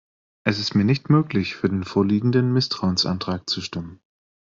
Es ist mir nicht möglich, für den vorliegenden Misstrauensantrag zu stimmen.